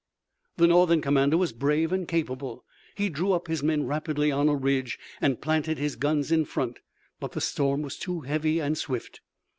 The Northern commander was brave and capable. He drew up his men rapidly on a ridge and planted his guns in front, but the storm was too heavy and swift.